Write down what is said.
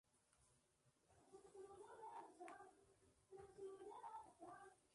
Su exterior es de aristas rectas y está desprovisto de ornamentos.